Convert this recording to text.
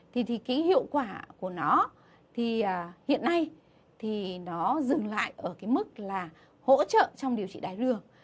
thì cái hiệu quả của nó thì hiện nay thì nó dừng lại ở cái mức là hỗ trợ trong điều trị đáy đường